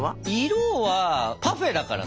色はパフェだからさ